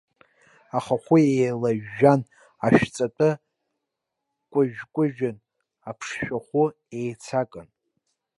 Ахахәы еилажәжәан, ашәҵатәы кәыжәкәыжәын, аԥшшәахәы еицакын.